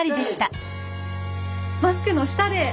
マスクの下で。